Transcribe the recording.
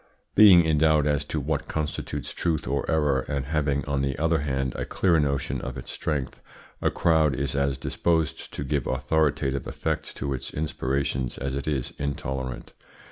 Being in doubt as to what constitutes truth or error, and having, on the other hand, a clear notion of its strength, a crowd is as disposed to give authoritative effect to its inspirations as it is intolerant.